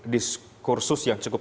diskursus yang cukup